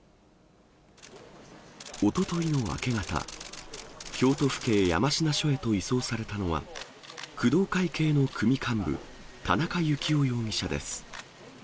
おとといの明け方、京都府警山科署へと移送されたのは、工藤会系の組幹部、田中幸雄容疑者です。